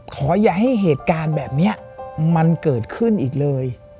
ขออย่าให้เหตุการณ์แบบนี้มันเกิดขึ้นอีกเลย